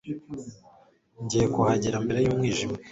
Ngiye kuhagera mbere y'umwijima